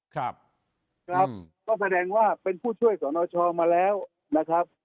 ก็แสดงว่าเป็นผู้ช่วยสนชอมาแล้วนะครับ